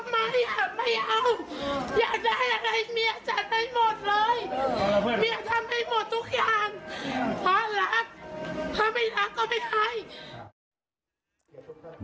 ถ้าไม่รักก็ไม่ได้